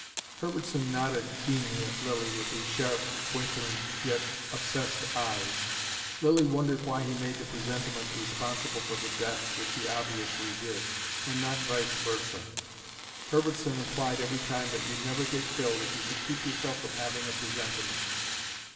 Herbertson nodded keenly at Lilly, with his sharp, twinkling, yet obsessed eyes. Lilly wondered why he made the presentiment responsible for the death which he obviously did and not vice versa. Herbertson implied every time, that you'd never get killed if you could keep yourself from having a presentiment.